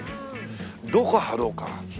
どこ貼ろうか。